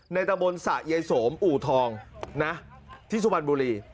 ตะบนสะยายโสมอู่ทองนะที่สุพรรณบุรี